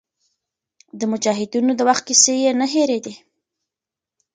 د مجاهدینو د وخت کیسې یې نه هېرېدې.